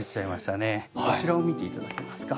こちらを見て頂けますか？